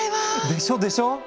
でしょでしょ！